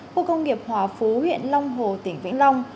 khu công nghiệp hòa phú huyện long hồ tỉnh vĩnh long